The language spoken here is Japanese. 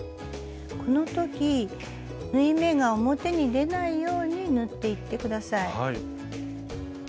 この時縫い目が表に出ないように縫っていって下さい。